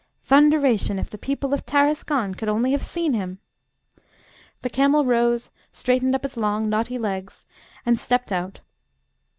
Thunderation! if the people of Tarascon could only have seen him! The camel rose, straightened up its long knotty legs, and stepped out.